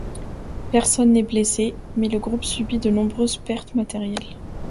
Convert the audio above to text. Personne n'est blessé, mais le groupe subit de nombreuses pertes matérielles.